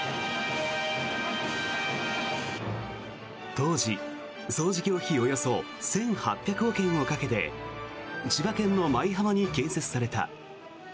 当時、総事業費およそ１８００億円をかけて千葉県の舞浜に建設された。